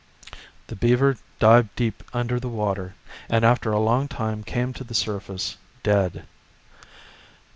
The beaver dived deep under the water, and after a long time came to the surface dead.